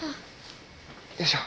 よいしょ。